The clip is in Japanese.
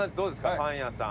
パン屋さん。